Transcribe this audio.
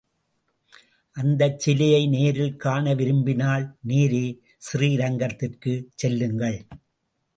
அந்தச் சிலையை நேரில் காண விரும்பினால், நேரே ஸ்ரீரங்கத்திற்குச் செல்லுங்கள்.